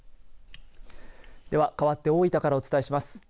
ではかわって大分からお伝えします。